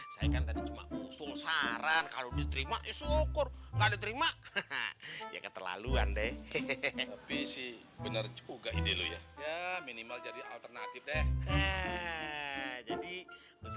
sampai jumpa di video selanjutnya